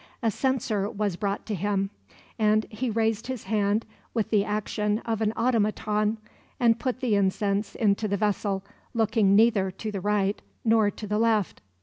A censer was brought to him; and he raised his hand with the action of an automaton, and put the incense into the vessel, looking neither to the right nor to the left.